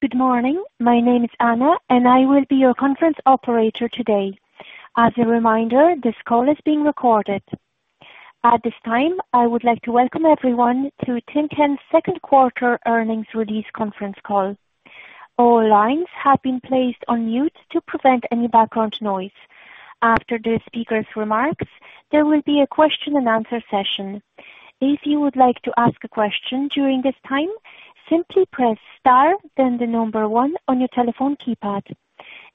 Good morning. My name is Anna, and I will be your conference operator today. As a reminder, this call is being recorded. At this time, I would like to welcome everyone to The Timken Company's second quarter earnings release conference call. All lines have been placed on mute to prevent any background noise. After the speaker's remarks, there will be a question and answer session. If you would like to ask a question during this time, simply press star, then the number one on your telephone keypad.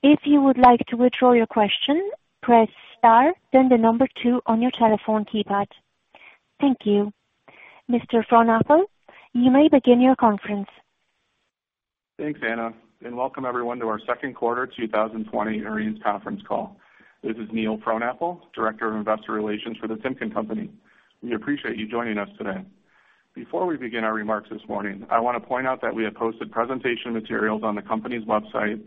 If you would like to withdraw your question, press star, then the number two on your telephone keypad. Thank you. Mr. Frohnapple, you may begin your conference. Thanks, Anna. Welcome everyone to our second quarter 2020 earnings conference call. This is Neil Frohnapple, Director of Investor Relations for The Timken Company. We appreciate you joining us today. Before we begin our remarks this morning, I want to point out that we have posted presentation materials on the company's website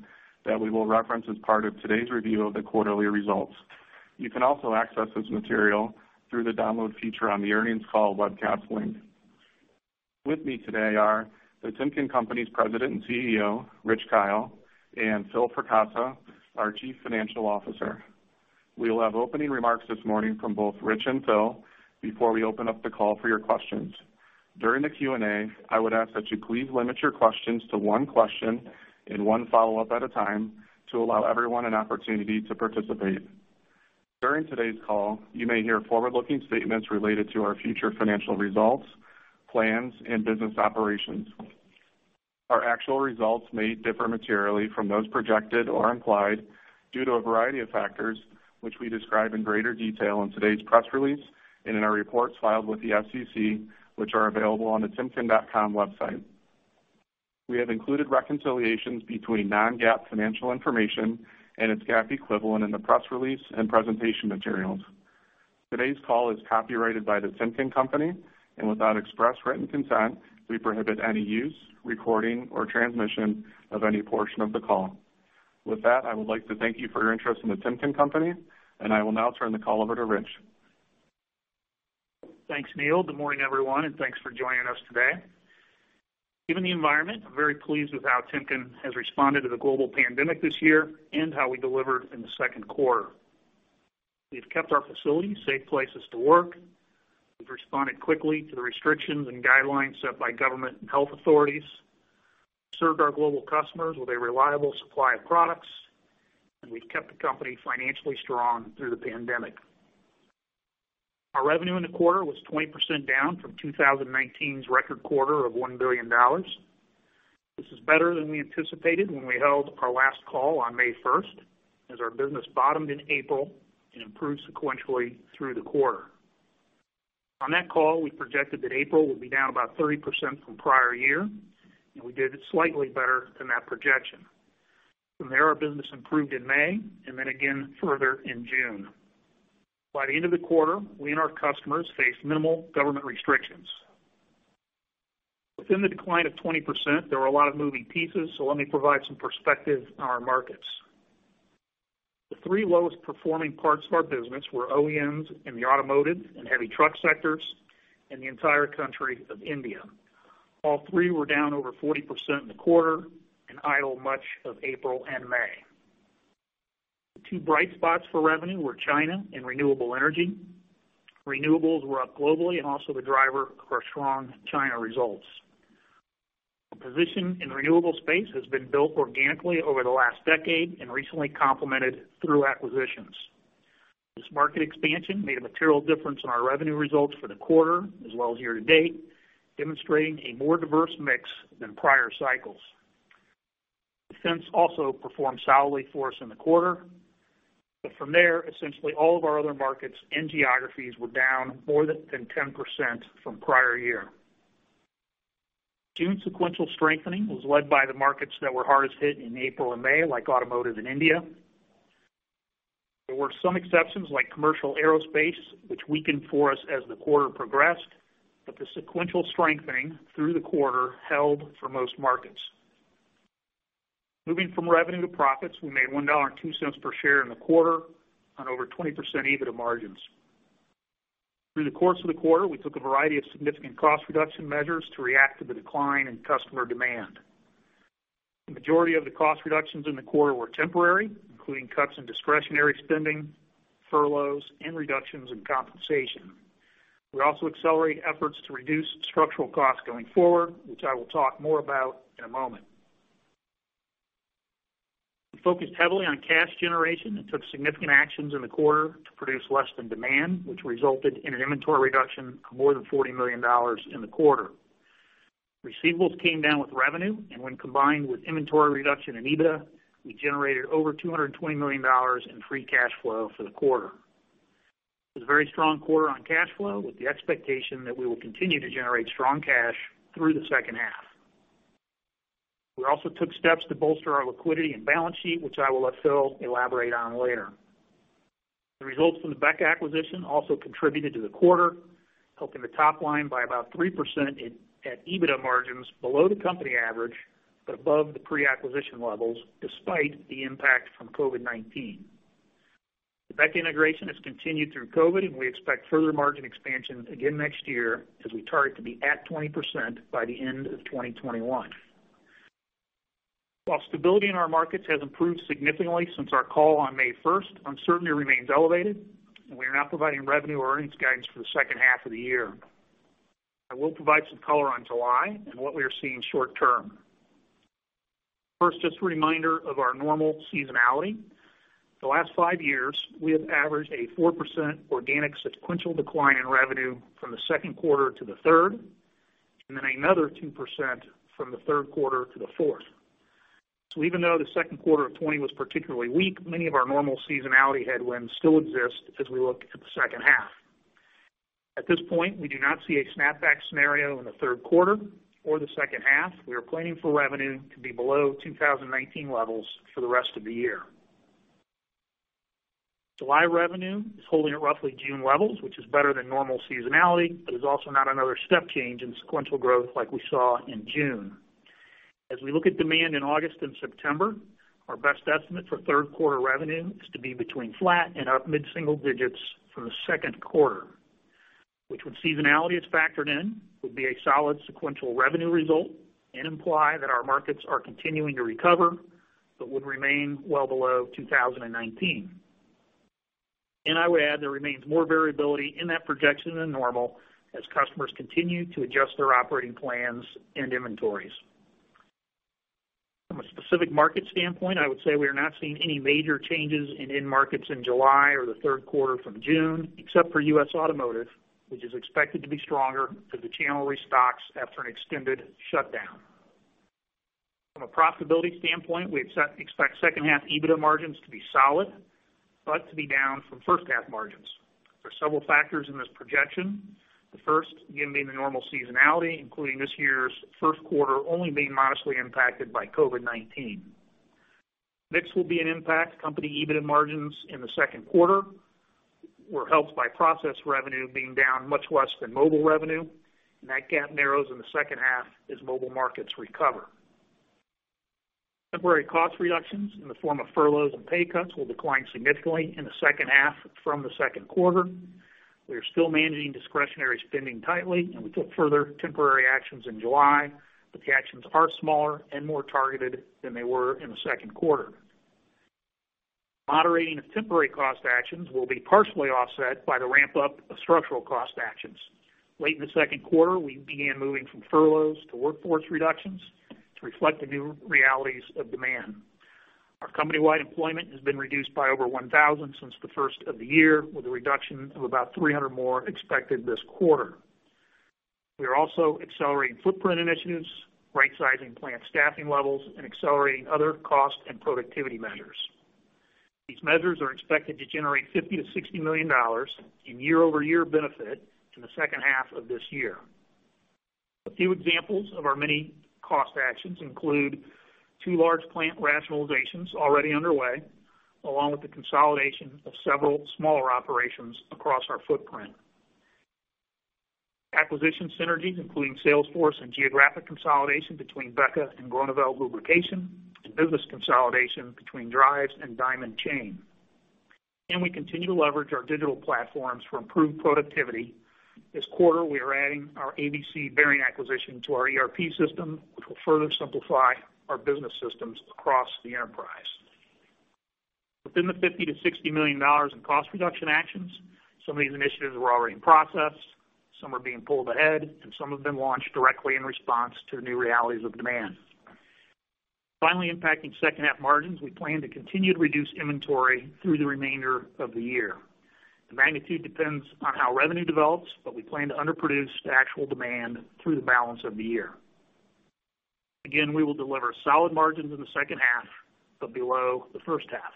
that we will reference as part of today's review of the quarterly results. You can also access this material through the download feature on the earnings call webcast link. With me today are The Timken Company's President and CEO, Richard Kyle, and Philip D. Fracassa, our Chief Financial Officer. We will have opening remarks this morning from both Richard and Philip before we open up the call for your questions. During the Q&A, I would ask that you please limit your questions to one question and one follow-up at a time to allow everyone an opportunity to participate. During today's call, you may hear forward-looking statements related to our future financial results, plans, and business operations. Our actual results may differ materially from those projected or implied due to a variety of factors, which we describe in greater detail in today's press release and in our reports filed with the SEC, which are available on the timken.com website. We have included reconciliations between non-GAAP financial information and its GAAP equivalent in the press release and presentation materials. Today's call is copyrighted by The Timken Company, and without express written consent, we prohibit any use, recording, or transmission of any portion of the call. With that, I would like to thank you for your interest in The Timken Company, and I will now turn the call over to Richard. Thanks, Neil. Good morning, everyone, and thanks for joining us today. Given the environment, I'm very pleased with how Timken has responded to the global pandemic this year and how we delivered in the second quarter. We've kept our facilities safe places to work. We've responded quickly to the restrictions and guidelines set by government and health authorities, served our global customers with a reliable supply of products, and we've kept the company financially strong through the pandemic. Our revenue in the quarter was 20% down from 2019's record quarter of $1 billion. This is better than we anticipated when we held our last call on May 1st, as our business bottomed in April and improved sequentially through the quarter. On that call, we projected that April would be down about 30% from prior year, and we did slightly better than that projection. From there, our business improved in May and then again further in June. By the end of the quarter, we and our customers faced minimal government restrictions. Within the decline of 20%, there were a lot of moving pieces, so let me provide some perspective on our markets. The three lowest performing parts of our business were OEMs in the automotive and heavy truck sectors in the entire country of India. All three were down over 40% in the quarter and idle much of April and May. The two bright spots for revenue were China and renewable energy. Renewables were up globally and also the driver of our strong China results. Our position in the renewable space has been built organically over the last decade and recently complemented through acquisitions. This market expansion made a material difference in our revenue results for the quarter as well as year to date, demonstrating a more diverse mix than prior cycles. Defense also performed solidly for us in the quarter, but from there, essentially all of our other markets and geographies were down more than 10% from prior year. June sequential strengthening was led by the markets that were hardest hit in April and May, like automotive in India. There were some exceptions, like commercial aerospace, which weakened for us as the quarter progressed, but the sequential strengthening through the quarter held for most markets. Moving from revenue to profits, we made $1.02 per share in the quarter on over 20% EBITDA margins. Through the course of the quarter, we took a variety of significant cost reduction measures to react to the decline in customer demand. The majority of the cost reductions in the quarter were temporary, including cuts in discretionary spending, furloughs, and reductions in compensation. We also accelerated efforts to reduce structural costs going forward, which I will talk more about in a moment. We focused heavily on cash generation and took significant actions in the quarter to produce less than demand, which resulted in an inventory reduction of more than $40 million in the quarter. Receivables came down with revenue, and when combined with inventory reduction and EBITDA, we generated over $220 million in free cash flow for the quarter. It was a very strong quarter on cash flow with the expectation that we will continue to generate strong cash through the second half. We also took steps to bolster our liquidity and balance sheet, which I will let Phillip elaborate on later. The results from the BEKA acquisition also contributed to the quarter, helping the top line by about 3% at EBITDA margins below the company average, but above the pre-acquisition levels despite the impact from COVID-19. The BEKA integration has continued through COVID, We expect further margin expansion again next year as we target to be at 20% by the end of 2021. While stability in our markets has improved significantly since our call on May 1st, uncertainty remains elevated, We are not providing revenue or earnings guidance for the second half of the year. I will provide some color on July and what we are seeing short term. First, just a reminder of our normal seasonality. The last five years, we have averaged a 4% organic sequential decline in revenue from the second quarter to the third, Another 2% from the third quarter to the fourth. Even though the second quarter of 2020 was particularly weak, many of our normal seasonality headwinds still exist as we look at the second half. At this point, we do not see a snapback scenario in the third quarter or the second half. We are planning for revenue to be below 2019 levels for the rest of the year. July revenue is holding at roughly June levels, which is better than normal seasonality, but is also not another step change in sequential growth like we saw in June. As we look at demand in August and September, our best estimate for third quarter revenue is to be between flat and up mid-single digits from the second quarter. Which when seasonality is factored in, would be a solid sequential revenue result and imply that our markets are continuing to recover, but would remain well below 2019. I would add, there remains more variability in that projection than normal as customers continue to adjust their operating plans and inventories. From a specific market standpoint, I would say we are not seeing any major changes in end markets in July or the third quarter from June, except for U.S. automotive, which is expected to be stronger as the channel restocks after an extended shutdown. From a profitability standpoint, we expect second half EBITDA margins to be solid, but to be down from first half margins. There's several factors in this projection. The first, again, being the normal seasonality, including this year's first quarter only being modestly impacted by COVID-19. Mix will be an impact. Company EBITDA margins in the second quarter were helped by process revenue being down much less than mobile revenue, and that gap narrows in the second half as mobile markets recover. Temporary cost reductions in the form of furloughs and pay cuts will decline significantly in the second half from the second quarter. We are still managing discretionary spending tightly, and we took further temporary actions in July, but the actions are smaller and more targeted than they were in the second quarter. Moderating of temporary cost actions will be partially offset by the ramp-up of structural cost actions. Late in the second quarter, we began moving from furloughs to workforce reductions to reflect the new realities of demand. Our company-wide employment has been reduced by over 1,000 since the first of the year, with a reduction of about 300 more expected this quarter. We are also accelerating footprint initiatives, rightsizing plant staffing levels, and accelerating other cost and productivity measures. These measures are expected to generate $50-60 million in year-over-year benefit in the second half of this year. A few examples of our many cost actions include two large plant rationalizations already underway, along with the consolidation of several smaller operations across our footprint. Acquisition synergies, including sales force and geographic consolidation between BEKA and Groeneveld Lubrication, and business consolidation between Drives and The Diamond Chain Company. We continue to leverage our digital platforms for improved productivity. This quarter, we are adding our ABC Bearings acquisition to our ERP system, which will further simplify our business systems across the enterprise. Within the $50-60 million in cost reduction actions, some of these initiatives were already in process, some are being pulled ahead, and some have been launched directly in response to the new realities of demand. Finally impacting second half margins, we plan to continue to reduce inventory through the remainder of the year. The magnitude depends on how revenue develops, but we plan to underproduce to actual demand through the balance of the year. Again, we will deliver solid margins in the second half, but below the first half.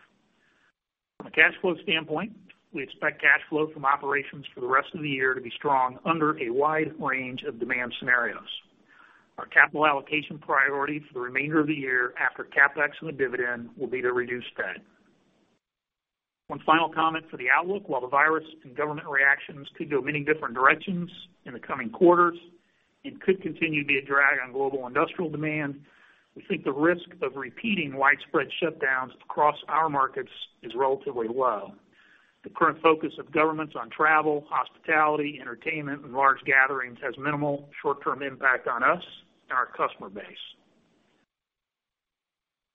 From a cash flow standpoint, we expect cash flow from operations for the rest of the year to be strong under a wide range of demand scenarios. Our capital allocation priority for the remainder of the year after CapEx and the dividend will be to reduce debt. One final comment for the outlook, while the virus and government reactions could go many different directions in the coming quarters and could continue to be a drag on global industrial demand, we think the risk of repeating widespread shutdowns across our markets is relatively low. The current focus of governments on travel, hospitality, entertainment, and large gatherings has minimal short-term impact on us and our customer base.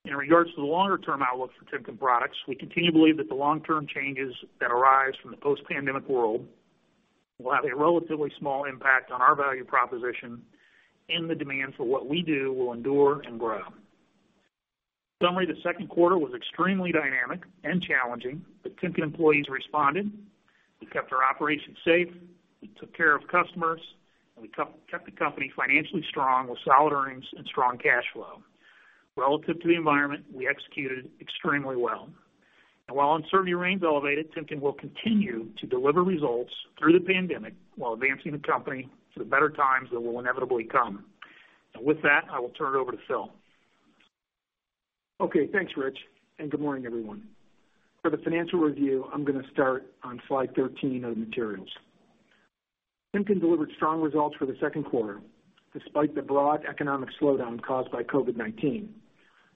In regards to the longer-term outlook for Timken products, we continue to believe that the long-term changes that arise from the post-pandemic world will have a relatively small impact on our value proposition and the demand for what we do will endure and grow. In summary, the second quarter was extremely dynamic and challenging, but Timken employees responded. We kept our operations safe, we took care of customers, and we kept the company financially strong with solid earnings and strong cash flow. Relative to the environment, we executed extremely well. While uncertainty remains elevated, Timken will continue to deliver results through the pandemic while advancing the company to the better times that will inevitably come. With that, I will turn it over to Philip. Okay, thanks, Richard. Good morning, everyone. For the financial review, I'm gonna start on slide 13 of the materials. Timken delivered strong results for the second quarter despite the broad economic slowdown caused by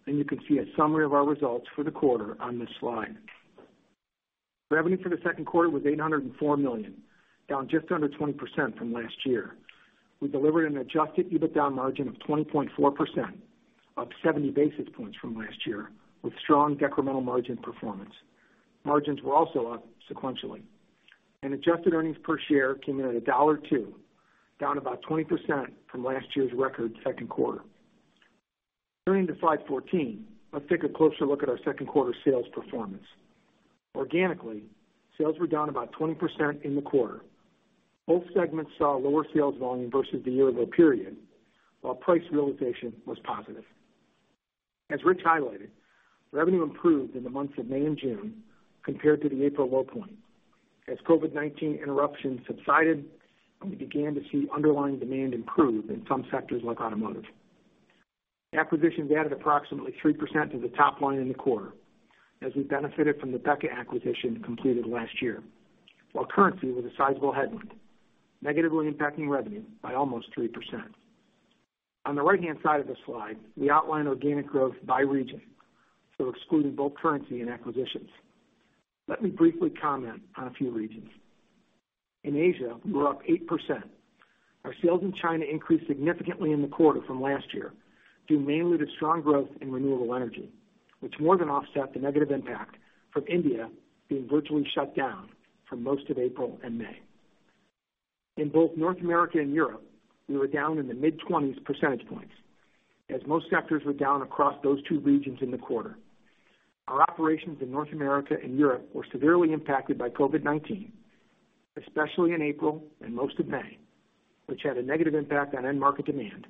COVID-19. You can see a summary of our results for the quarter on this slide. Revenue for the second quarter was $804 million, down just under 20% from last year. We delivered an adjusted EBITDA margin of 20.4%, up 70 basis points from last year, with strong decremental margin performance. Margins were also up sequentially. Adjusted earnings per share came in at $1.02, down about 20% from last year's record second quarter. Turning to slide 14, let's take a closer look at our second quarter sales performance. Organically, sales were down about 20% in the quarter. Both segments saw lower sales volume versus the year-ago period, while price realization was positive. As Richard highlighted, revenue improved in the months of May and June compared to the April low point. COVID-19 interruptions subsided, and we began to see underlying demand improve in some sectors like automotive. Acquisitions added approximately 3% to the top line in the quarter, as we benefited from the BEKA acquisition completed last year, while currency was a sizable headwind, negatively impacting revenue by almost 3%. On the right-hand side of the slide, we outline organic growth by region, so excluding both currency and acquisitions. Let me briefly comment on a few regions. In Asia, we were up 8%. Our sales in China increased significantly in the quarter from last year, due mainly to strong growth in renewable energy, which more than offset the negative impact from India being virtually shut down for most of April and May. In both North America and Europe, we were down in the mid-20s percentage points, as most sectors were down across those two regions in the quarter. Our operations in North America and Europe were severely impacted by COVID-19, especially in April and most of May, which had a negative impact on end market demand,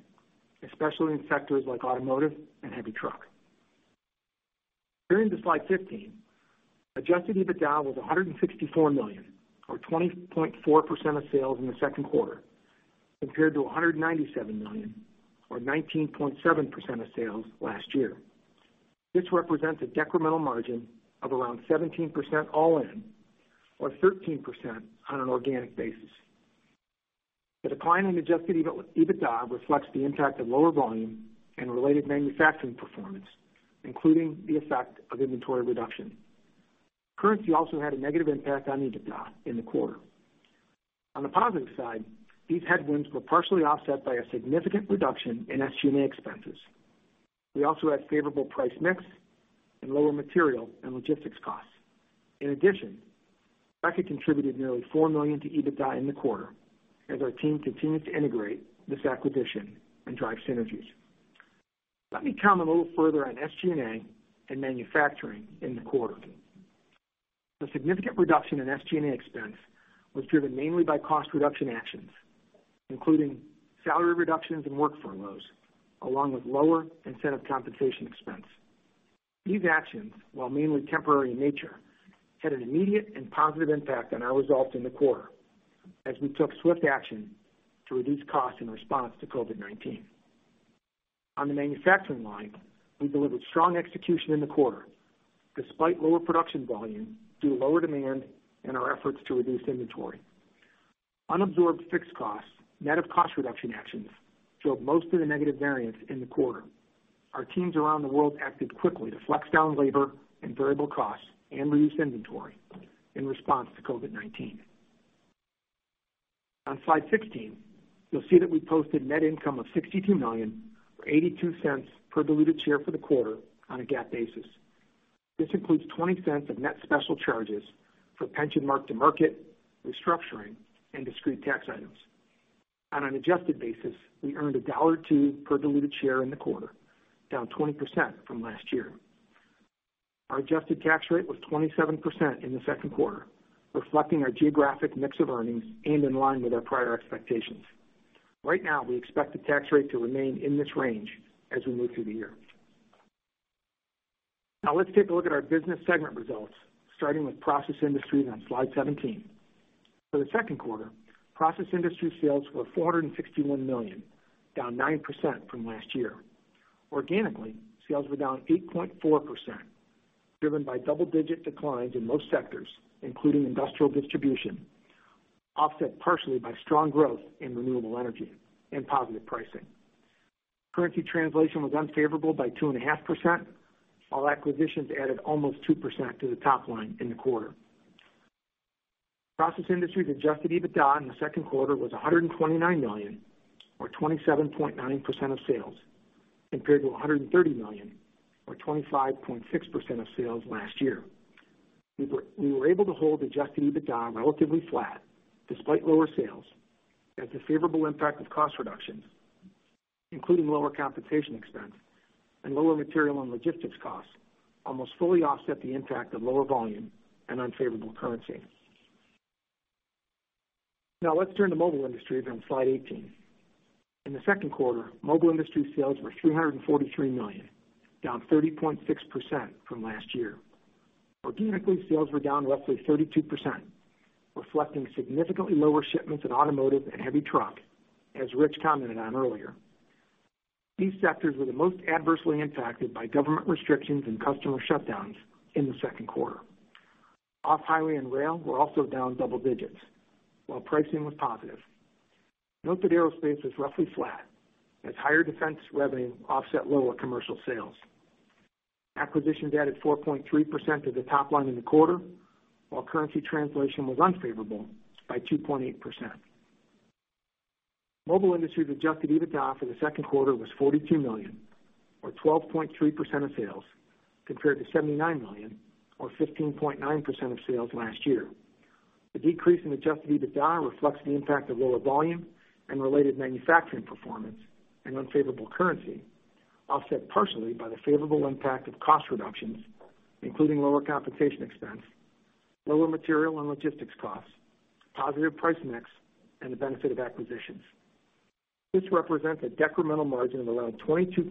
especially in sectors like automotive and heavy truck. Turning to slide 15, adjusted EBITDA was $164 million, or 20.4% of sales in the second quarter, compared to $197 million, or 19.7% of sales last year. This represents a decremental margin of around 17% all in, or 13% on an organic basis. The decline in adjusted EBITDA reflects the impact of lower volume and related manufacturing performance, including the effect of inventory reduction. Currency also had a negative impact on EBITDA in the quarter. On the positive side, these headwinds were partially offset by a significant reduction in SG&A expenses. We also had favorable price mix and lower material and logistics costs. In addition, BEKA contributed nearly $4 million to EBITDA in the quarter as our team continues to integrate this acquisition and drive synergies. Let me comment a little further on SG&A and manufacturing in the quarter. The significant reduction in SG&A expense was driven mainly by cost reduction actions, including salary reductions and work furloughs, along with lower incentive compensation expense. These actions, while mainly temporary in nature, had an immediate and positive impact on our results in the quarter as we took swift action to reduce costs in response to COVID-19. On the manufacturing line, we delivered strong execution in the quarter despite lower production volume due to lower demand and our efforts to reduce inventory. Unabsorbed fixed costs, net of cost reduction actions, drove most of the negative variance in the quarter. Our teams around the world acted quickly to flex down labor and variable costs and reduce inventory in response to COVID-19. On slide 16, you'll see that we posted net income of $62 million, or $0.82 per diluted share for the quarter on a GAAP basis. This includes $0.20 of net special charges for pension mark-to-market, restructuring, and discrete tax items. On an adjusted basis, we earned $1.02 per diluted share in the quarter, down 20% from last year. Our adjusted tax rate was 27% in the second quarter, reflecting our geographic mix of earnings and in line with our prior expectations. Right now, we expect the tax rate to remain in this range as we move through the year. Now let's take a look at our business segment results, starting with process industries on slide 17. For the second quarter, process industry sales were $461 million, down 9% from last year. Organically, sales were down 8.4%, driven by double-digit declines in most sectors, including industrial distribution, offset partially by strong growth in renewable energy and positive pricing. Currency translation was unfavorable by 2.5%, while acquisitions added almost 2% to the top line in the quarter. Process industries adjusted EBITDA in the second quarter was $129 million, or 27.9% of sales, compared to $130 million, or 25.6% of sales last year. We were able to hold adjusted EBITDA relatively flat despite lower sales as the favorable impact of cost reductions, including lower compensation expense and lower material and logistics costs, almost fully offset the impact of lower volume and unfavorable currency. Now let's turn to mobile industries on slide 18. In the second quarter, Mobile Industries sales were $343 million, down 30.6% from last year. Organically, sales were down roughly 32%, reflecting significantly lower shipments in automotive and heavy truck, as Richard commented on earlier. These sectors were the most adversely impacted by government restrictions and customer shutdowns in the second quarter. Off-highway and rail were also down double digits, while pricing was positive. Note that aerospace was roughly flat as higher defense revenue offset lower commercial sales. Acquisitions added 4.3% to the top line in the quarter, while currency translation was unfavorable by 2.8%. Mobile Industries' adjusted EBITDA for the second quarter was $42 million or 12.3% of sales, compared to $79 million or 15.9% of sales last year. The decrease in adjusted EBITDA reflects the impact of lower volume and related manufacturing performance and unfavorable currency, offset partially by the favorable impact of cost reductions, including lower compensation expense, lower material and logistics costs, positive price mix, and the benefit of acquisitions. This represents a decremental margin of around 22%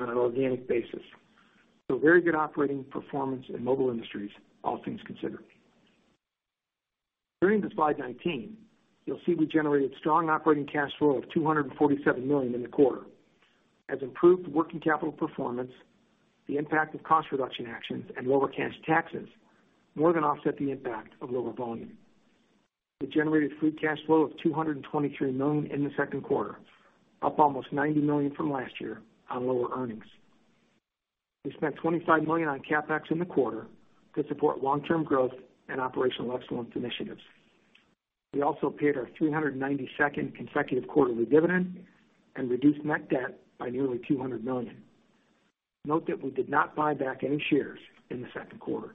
on an organic basis. Very good operating performance in mobile industries, all things considered. Turning to slide 19, you'll see we generated strong operating cash flow of $247 million in the quarter. Improved working capital performance, the impact of cost reduction actions and lower cash taxes more than offset the impact of lower volume. We generated free cash flow of $223 million in the second quarter, up almost $90 million from last year on lower earnings. We spent $25 million on CapEx in the quarter to support long-term growth and operational excellence initiatives. We also paid our 392nd consecutive quarterly dividend and reduced net debt by nearly $200 million. Note that we did not buy back any shares in the second quarter.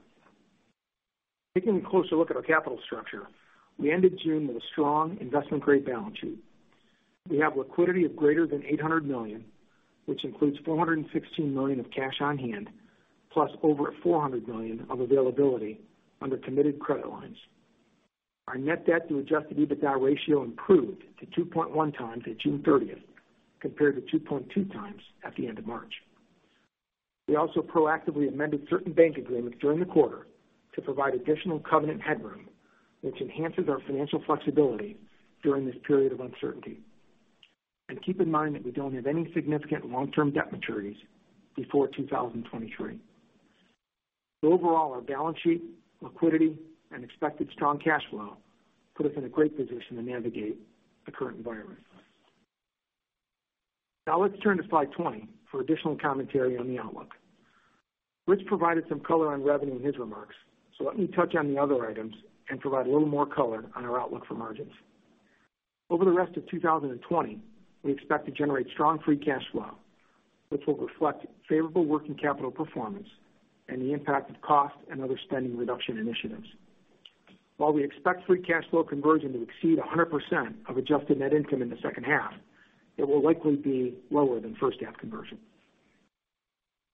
Taking a closer look at our capital structure, we ended June with a strong investment-grade balance sheet. We have liquidity of greater than $800 million, which includes $416 million of cash on hand, plus over $400 million of availability under committed credit lines. Our net debt to adjusted EBITDA ratio improved to 2.1x at June 30th, compared to 2.2x at the end of March. We also proactively amended certain bank agreements during the quarter to provide additional covenant headroom, which enhances our financial flexibility during this period of uncertainty. Keep in mind that we don't have any significant long-term debt maturities before 2023. Overall, our balance sheet liquidity and expected strong cash flow put us in a great position to navigate the current environment. Now let's turn to slide 20 for additional commentary on the outlook. Richard provided some color on revenue in his remarks, so let me touch on the other items and provide a little more color on our outlook for margins. Over the rest of 2020, we expect to generate strong free cash flow, which will reflect favorable working capital performance and the impact of cost and other spending reduction initiatives. While we expect free cash flow conversion to exceed 100% of adjusted net income in the second half, it will likely be lower than first half conversion.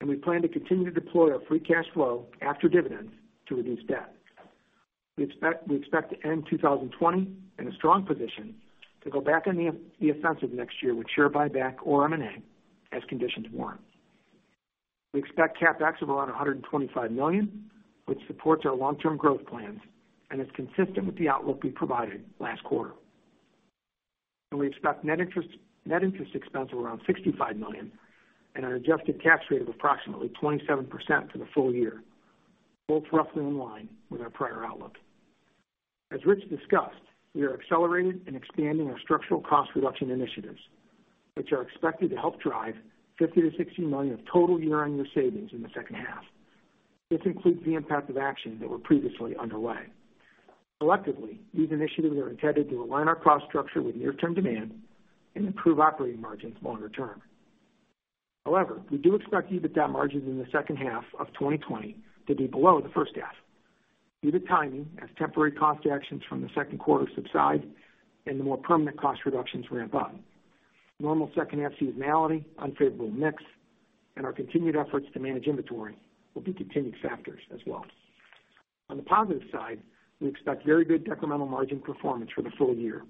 We plan to continue to deploy our free cash flow after dividends to reduce debt. We expect to end 2020 in a strong position to go back on the offensive next year with share buyback or M&A as conditions warrant. We expect CapEx of around $125 million, which supports our long-term growth plans and is consistent with the outlook we provided last quarter. We expect net interest expense of around $65 million and an adjusted tax rate of approximately 27% for the full year, both roughly in line with our prior outlook. As Richard discussed, we are accelerating and expanding our structural cost reduction initiatives, which are expected to help drive $50-60 million of total year-on-year savings in the second half. This includes the impact of actions that were previously underway. Collectively, these initiatives are intended to align our cost structure with near-term demand and improve operating margins longer term. We do expect EBITDA margins in the second half of 2020 to be below the first half due to timing as temporary cost actions from the second quarter subside and the more permanent cost reductions ramp up. Normal second half seasonality, unfavorable mix, and our continued efforts to manage inventory will be continuing factors as well. On the positive side, we expect very good decremental margin performance for the full year,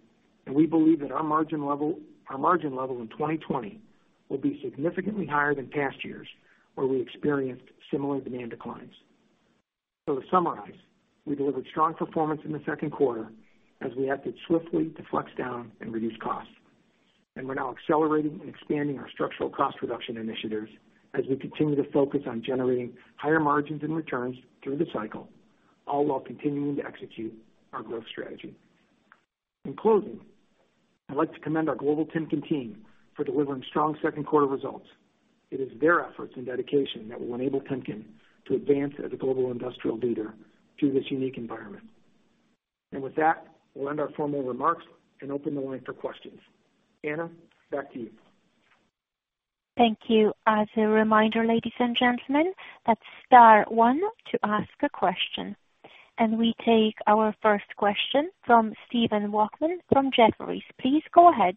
and we believe that our margin level in 2020 will be significantly higher than past years, where we experienced similar demand declines. To summarize, we delivered strong performance in the second quarter as we acted swiftly to flex down and reduce costs. We're now accelerating and expanding our structural cost reduction initiatives as we continue to focus on generating higher margins and returns through the cycle, all while continuing to execute our growth strategy. In closing, I'd like to commend our global Timken team for delivering strong second quarter results. It is their efforts and dedication that will enable Timken to advance as a global industrial leader through this unique environment. With that, we'll end our formal remarks and open the line for questions. Anna, back to you. Thank you. As a reminder, ladies and gentlemen, that's star one to ask a question. We take our first question from Stephen Volkmann from Jefferies. Please go ahead.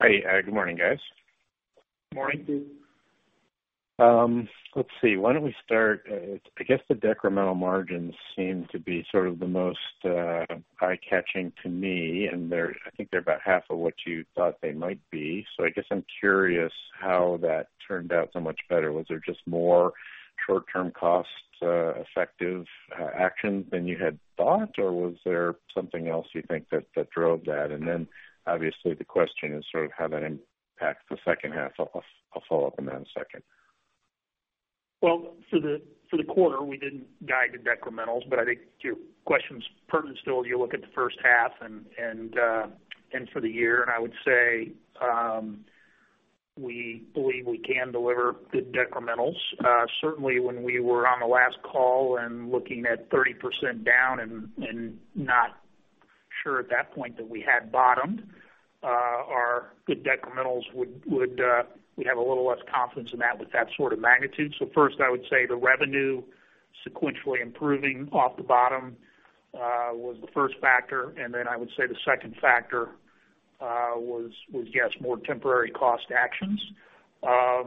Hi. Good morning, guys. Morning. Good morning. Let's see. Why don't we start, I guess the decremental margins seem to be sort of the most eye-catching to me, and I think they're about half of what you thought they might be. I guess I'm curious how that turned out so much better. Was there just more short-term cost effective action than you had thought, or was there something else you think that drove that? Obviously the question is sort of how that impacts the second half. I'll follow up on that in a second. For the quarter, we didn't guide to decrementals, but I think your question's pertinent still as you look at the first half and for the year. I would say, we believe we can deliver good decrementals. Certainly when we were on the last call and looking at 30% down and not sure at that point that we had bottomed, we have a little less confidence in that with that sort of magnitude. First, I would say the revenue sequentially improving off the bottom, was the first factor. Then I would say the second factor, was, yes, more temporary cost actions. I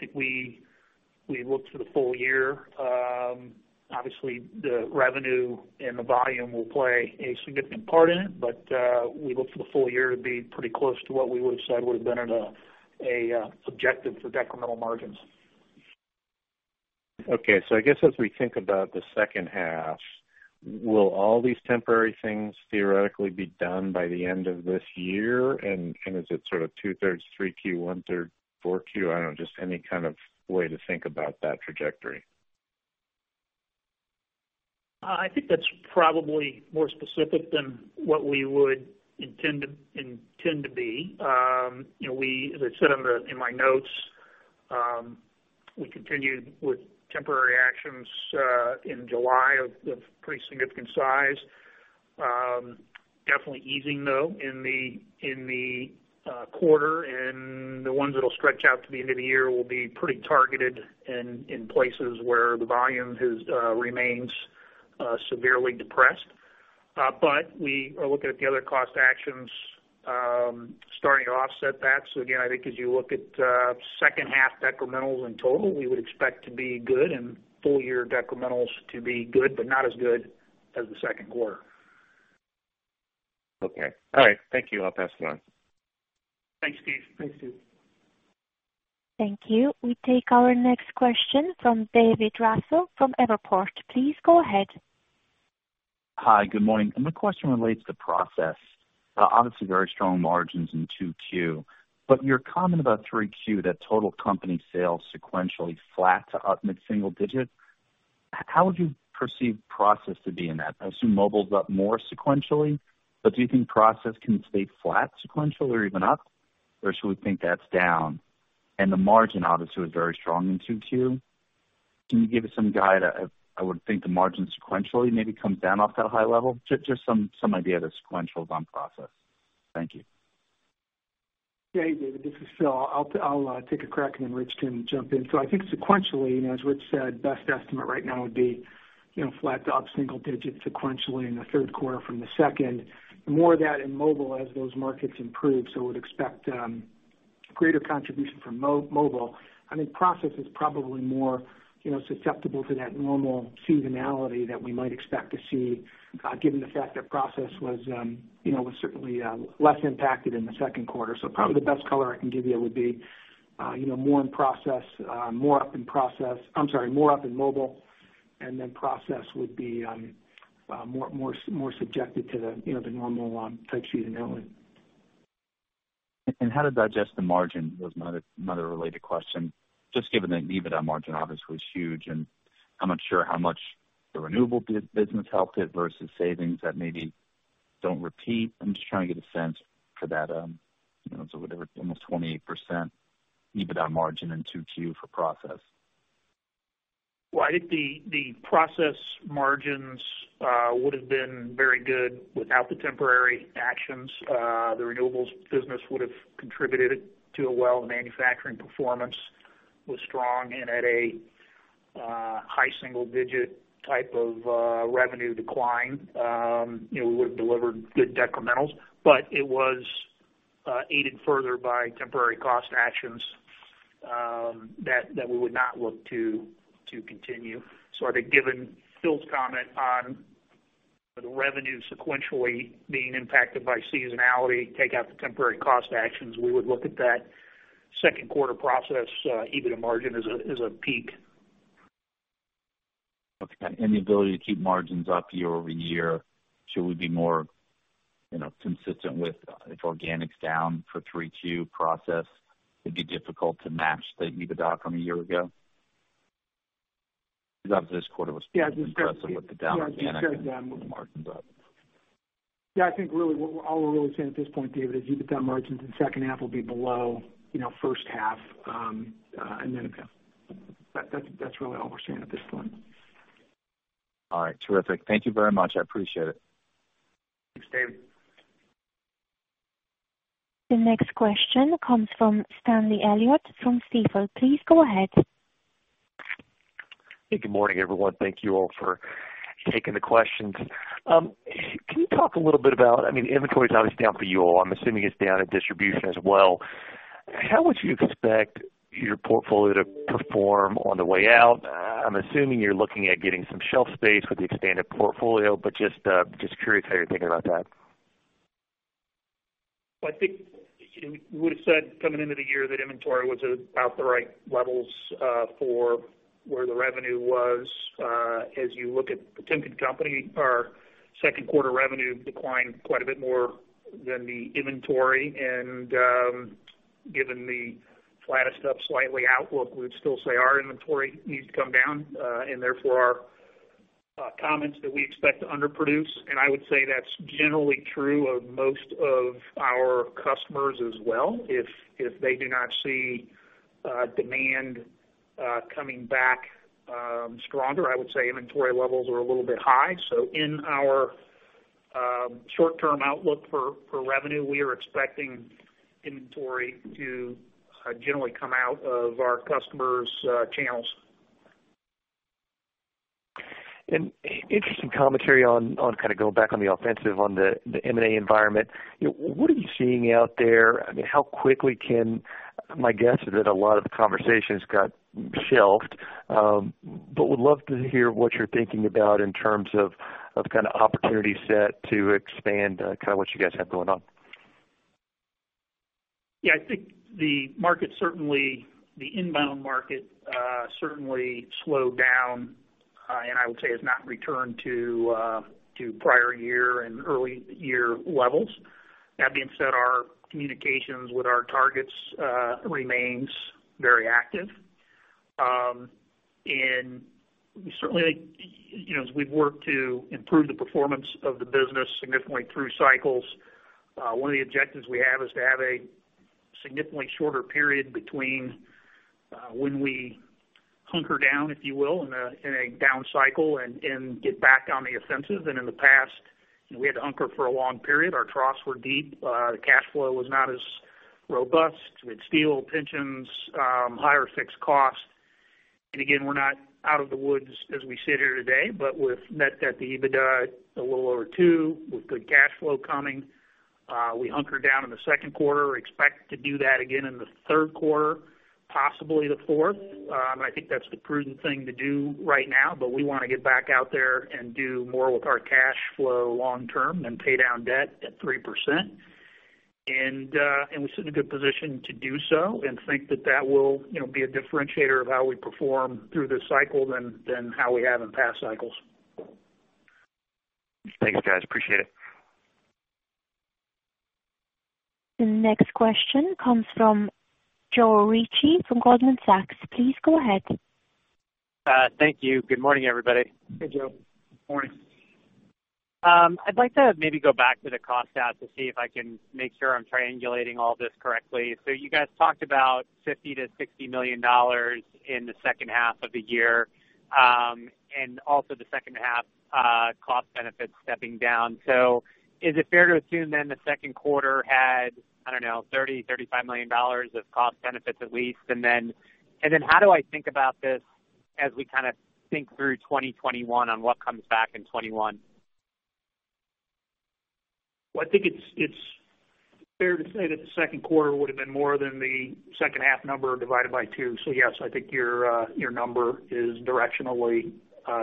think we look to the full year. Obviously, the revenue and the volume will play a significant part in it, but, we look to the full year to be pretty close to what we would've said would've been an objective for decremental margins. I guess as we think about the second half, will all these temporary things theoretically be done by the end of this year? Is it sort of 2/3 Q3, 1/3 Q4? I don't know, just any kind of way to think about that trajectory. I think that's probably more specific than what we would intend to be. As I said in my notes, we continued with temporary actions, in July of pretty significant size. Definitely easing though in the quarter, and the ones that'll stretch out to the end of the year will be pretty targeted in places where the volume remains severely depressed. We are looking at the other cost actions starting to offset that. Again, I think as you look at second half decrementals in total, we would expect to be good and full year decrementals to be good, but not as good as the second quarter. Okay. All right. Thank you. I'll pass it on. Thanks, Steve. Thanks, Steve. Thank you. We take our next question from David Raso from Evercore. Please go ahead. Hi, good morning. My question relates to process. Obviously very strong margins in Q2. Your comment about Q3, that total company sales sequentially flat to up mid-single digit, how would you perceive process to be in that? I assume mobile's up more sequentially, but do you think process can stay flat sequentially or even up, or should we think that's down? The margin obviously was very strong in Q2. Can you give us some guide? I would think the margin sequentially maybe comes down off that high level. Just some idea of the sequential on process. Thank you. David, this is Philip. I'll take a crack and then Richard can jump in. I think sequentially, and as Richard said, best estimate right now would be flat to up single digit sequentially in the third quarter from the second. More of that in Mobile as those markets improve, would expect greater contribution from Mobile. I think Process is probably more susceptible to that normal seasonality that we might expect to see, given the fact that Process was certainly less impacted in the second quarter. Probably the best color I can give you would be more up in Mobile and then Process would be more subjected to the normal type seasonality. How to digest the margin was my other related question. Given the EBITDA margin obviously was huge, and I'm not sure how much the renewable business helped it versus savings that maybe don't repeat. I'm just trying to get a sense for that. Whatever, almost 28% EBITDA margin in Q2 for process. I think the Process margins would've been very good without the temporary actions. The Renewables business would've contributed to a well manufacturing performance, was strong and at a high single-digit type of revenue decline. We would've delivered good decrementals. It was aided further by temporary cost actions that we would not look to continue. I think given Philip's comment on the revenue sequentially being impacted by seasonality, take out the temporary cost actions, we would look at that second quarter process EBITDA margin as a peak. Okay. Any ability to keep margins up year-over-year? Should we be more consistent with if organic's down for Q3 process, it'd be difficult to match the EBITDA from a year ago? Because obviously this quarter was. Yeah. impressive with the down organic and margins up. Yeah, I think really all we're really saying at this point, David, is EBITDA margins in second half will be below first half a year ago. That's really all we're saying at this point. All right, terrific. Thank you very much. I appreciate it. Thanks, David. The next question comes from Stanley Elliott from Stifel. Please go ahead. Good morning, everyone. Thank you all for taking the questions. Can you talk a little bit about inventory's obviously down for you all. I'm assuming it's down at distribution as well. How would you expect your portfolio to perform on the way out? I'm assuming you're looking at getting some shelf space with the expanded portfolio, but just curious how you're thinking about that. I think we would have said coming into the year that inventory was about the right levels for where the revenue was. As you look at The Timken Company, our second quarter revenue declined quite a bit more than the inventory. Given the flattest up slightly outlook, we would still say our inventory needs to come down, and therefore our comments that we expect to underproduce, and I would say that's generally true of most of our customers as well. If they do not see demand coming back stronger, I would say inventory levels are a little bit high. In our short-term outlook for revenue, we are expecting inventory to generally come out of our customers' channels. Interesting commentary on going back on the offensive on the M&A environment. What are you seeing out there? My guess is that a lot of the conversations got shelved, but would love to hear what you're thinking about in terms of opportunity set to expand what you guys have going on. I think the inbound market certainly slowed down, and I would say has not returned to prior year and early year levels. That being said, our communications with our targets remains very active. Certainly, as we've worked to improve the performance of the business significantly through cycles, one of the objectives we have is to have a significantly shorter period between when we hunker down, if you will, in a down cycle and get back on the offensive. In the past, we had to hunker for a long period. Our troughs were deep. The cash flow was not as robust with steel pensions, higher fixed costs. Again, we're not out of the woods as we sit here today, but with net debt to EBITDA a little over 2x with good cash flow coming. We hunkered down in the second quarter, expect to do that again in the third quarter, possibly the fourth. I think that's the prudent thing to do right now. We want to get back out there and do more with our cash flow long term than pay down debt at 3%. We sit in a good position to do so and think that that will be a differentiator of how we perform through this cycle than how we have in past cycles. Thanks, guys. Appreciate it. The next question comes from Joe Ritchie from Goldman Sachs. Please go ahead. Thank you. Good morning, everybody. Hey, Joe. Good morning. I'd like to maybe go back to the cost out to see if I can make sure I'm triangulating all this correctly. You guys talked about $50-$60 million in the second half of the year, and also the second half cost benefits stepping down. Is it fair to assume then the second quarter had, I don't know, $30 million, $35 million of cost benefits at least? How do I think about this as we think through 2021 on what comes back in 2021? Well, I think it's fair to say that the second quarter would have been more than the second half number divided by two. Yes, I think your number is directionally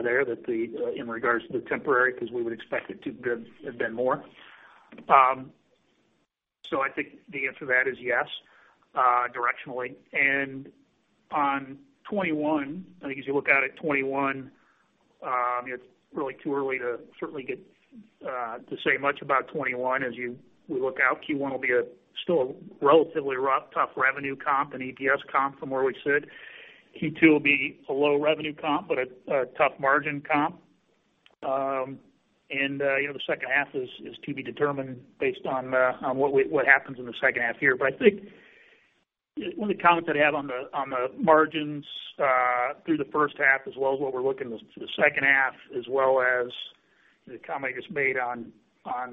there in regards to the temporary, because we would expect it to have been more. I think the answer to that is yes, directionally. In 2021, I think as you look out at 2021, it's really too early to certainly get to say much about 2021. As we look out, Q1 will be still a relatively rough, tough revenue comp and EPS comp from where we sit. Q2 will be a low revenue comp, but a tough margin comp. The second half is to be determined based on what happens in the second half here. I think one of the comments I'd have on the margins through the first half as well as what we're looking to the second half as well as the comment I just made on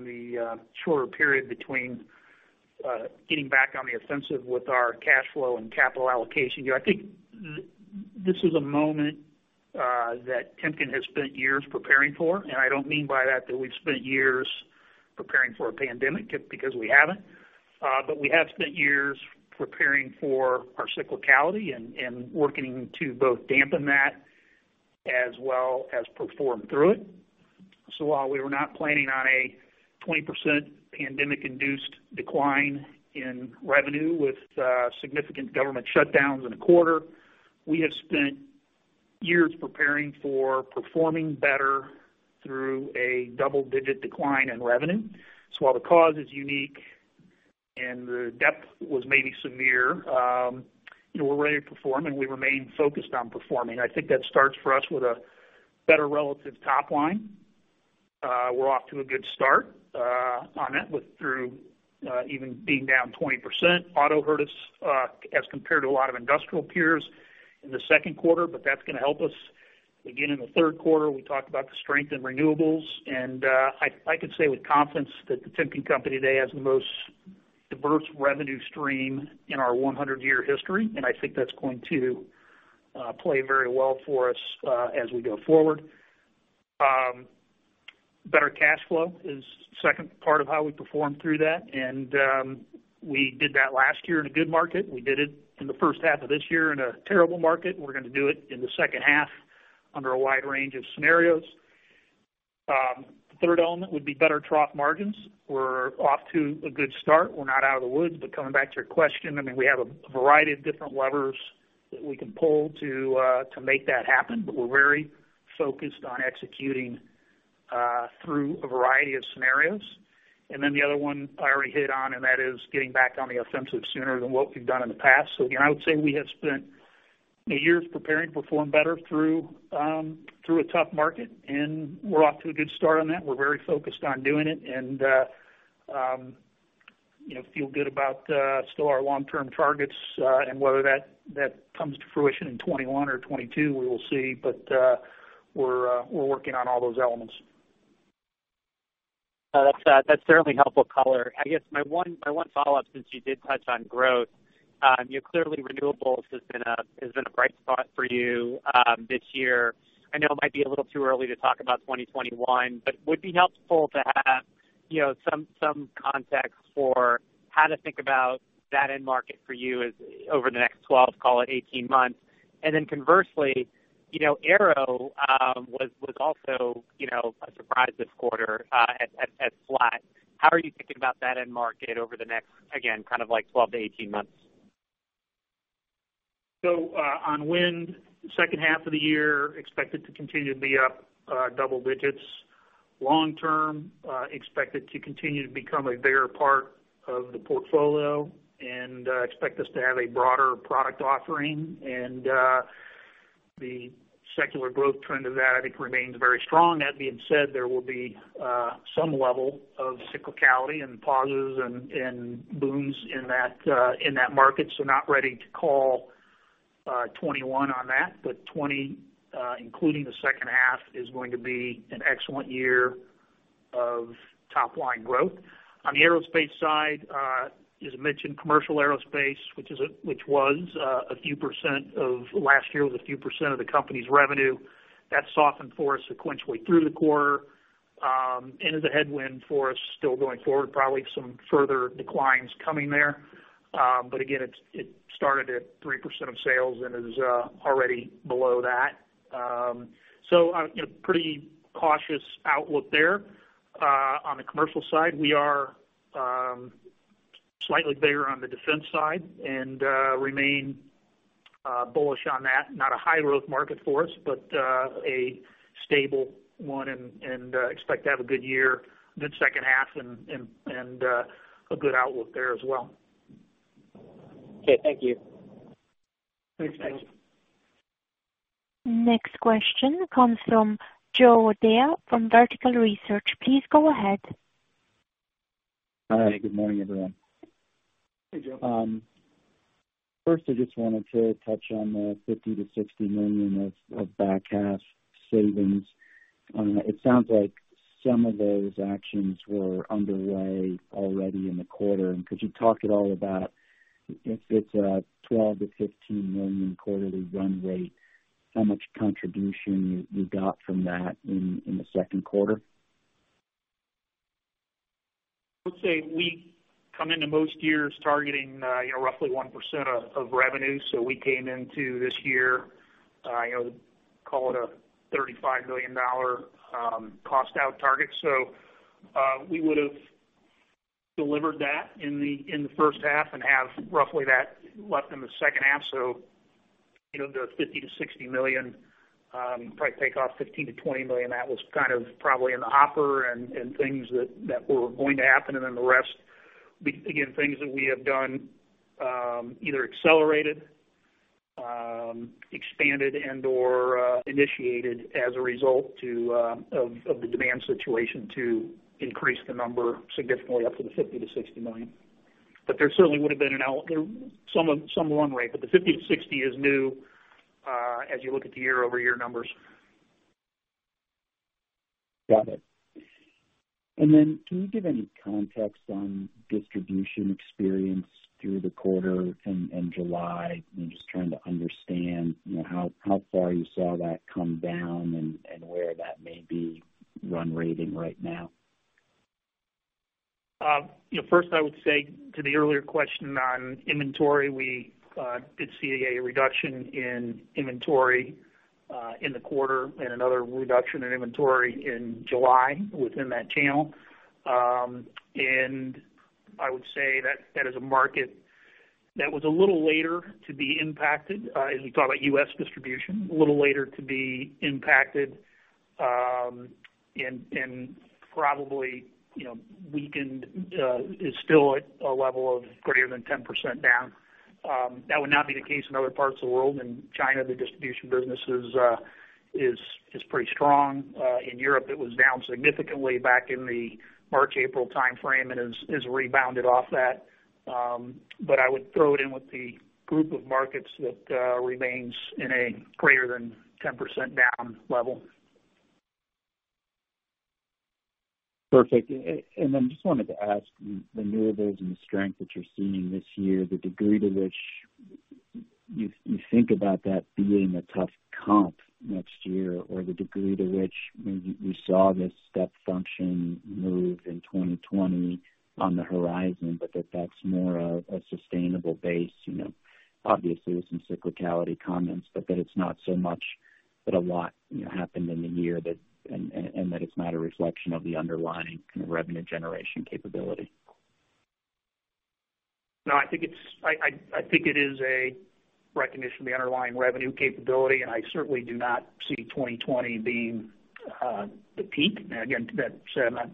the shorter period between getting back on the offensive with our cash flow and capital allocation. I think this is a moment that Timken has spent years preparing for, and I don't mean by that we've spent years preparing for a pandemic, because we haven't. We have spent years preparing for our cyclicality and working to both dampen that as well as perform through it. While we were not planning on a 20% pandemic-induced decline in revenue with significant government shutdowns in a quarter, we have spent years preparing for performing better through a double-digit decline in revenue. While the cause is unique and the depth was maybe severe, we're ready to perform, and we remain focused on performing. I think that starts for us with a better relative top line. We're off to a good start on that through even being down 20%. Auto hurt us as compared to a lot of industrial peers in the second quarter, but that's going to help us again in the third quarter. We talked about the strength in renewables, and I could say with confidence that The Timken Company today has the most diverse revenue stream in our 100-year history, and I think that's going to play very well for us as we go forward. Better cash flow is the second part of how we perform through that. We did that last year in a good market. We did it in the first half of this year in a terrible market. We're going to do it in the second half under a wide range of scenarios. The third element would be better trough margins. We're off to a good start. We're not out of the woods, coming back to your question, we have a variety of different levers that we can pull to make that happen. We're very focused on executing through a variety of scenarios. The other one I already hit on, and that is getting back on the offensive sooner than what we've done in the past. Again, I would say we have spent years preparing to perform better through a tough market, and we're off to a good start on that. We're very focused on doing it and feel good about still our long-term targets and whether that comes to fruition in 2021 or 2022, we will see. We're working on all those elements. That's certainly helpful color. I guess my one follow-up, since you did touch on growth. Clearly renewables has been a bright spot for you this year. I know it might be a little too early to talk about 2021, but it would be helpful to have some context for how to think about that end market for you over the next 12, call it 18 months. Conversely, aero was also a surprise this quarter at flat. How are you thinking about that end market over the next, again, kind of like 12 to 18 months? On wind, second half of the year expected to continue to be up double digits. Long term, expect it to continue to become a bigger part of the portfolio and expect us to have a broader product offering. The secular growth trend of that, I think, remains very strong. That being said, there will be some level of cyclicality and pauses and booms in that market. Not ready to call 2021 on that, but 2020, including the second half, is going to be an excellent year of top-line growth. On the aerospace side, as I mentioned, commercial aerospace, which was, last year, was a few percent of the company's revenue. That softened for us sequentially through the quarter and is a headwind for us still going forward. Probably some further declines coming there. Again, it started at 3% of sales and is already below that. Pretty cautious outlook there on the commercial side. We are slightly bigger on the defense side and remain bullish on that. Not a high-growth market for us, but a stable one and expect to have a good year, good second half and a good outlook there as well. Okay, thank you. Thanks. Next question comes from Joe O'Dea from Vertical Research. Please go ahead. Hi. Good morning, everyone. Hey, Joe. First, I just wanted to touch on the $50-60 million of back-half savings. It sounds like some of those actions were underway already in the quarter. Could you talk at all about if it is a $12-15 million quarterly run rate, how much contribution you got from that in the second quarter? I would say we come into most years targeting roughly 1% of revenue. We came into this year, call it a $35 million cost-out target. We would've delivered that in the first half and have roughly that left in the second half. The $50-60 million, probably take off $15-20 million. That was kind of probably in the hopper and things that were going to happen. The rest, again, things that we have done, either accelerated, expanded, and/or initiated as a result of the demand situation to increase the number significantly up to the $50-60 million. There certainly would've been some run rate, but the $50-60 million is new as you look at the year-over-year numbers. Got it. Can you give any context on distribution experience through the quarter and July? I'm just trying to understand how far you saw that come down and where that may be run rating right now. First I would say to the earlier question on inventory, we did see a reduction in inventory in the quarter and another reduction in inventory in July within that channel. I would say that is a market that was a little later to be impacted as we talk about U.S. distribution, a little later to be impacted, and probably weakened, is still at a level of greater than 10% down. That would not be the case in other parts of the world. In China, the distribution business is pretty strong. In Europe, it was down significantly back in the March-April timeframe and has rebounded off that. I would throw it in with the group of markets that remains in a greater than 10% down level. Perfect. Just wanted to ask, renewables and the strength that you're seeing this year, the degree to which you think about that being a tough comp next year, or the degree to which maybe we saw this step function move in 2020 on the horizon, but that's more of a sustainable base? Obviously with some cyclicality comments, but that it's not so much that a lot happened in the year and that it's not a reflection of the underlying kind of revenue generation capability. I think it is a recognition of the underlying revenue capability, and I certainly do not see 2020 being the peak. Again, to that said, I'm not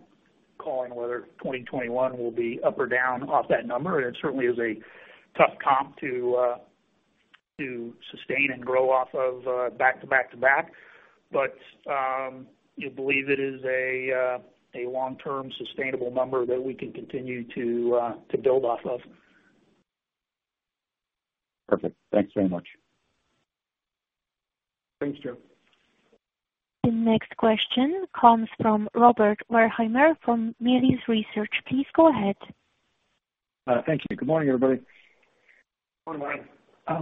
calling whether 2021 will be up or down off that number. It certainly is a tough comp to sustain and grow off of back-to-back. You believe it is a long-term sustainable number that we can continue to build off of. Perfect. Thanks very much. Thanks, Joe. The next question comes from Rob Wertheimer from Melius Research. Please go ahead. Thank you. Good morning, everybody. Good morning. I